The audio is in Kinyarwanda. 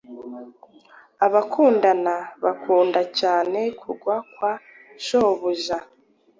Abakundana bakunda cyanekugwa kwa shobuja